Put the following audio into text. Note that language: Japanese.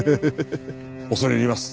恐れ入ります。